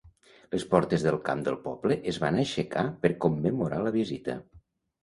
Les portes del camp del poble es van aixecar per commemorar la visita.